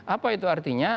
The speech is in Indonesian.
apa itu artinya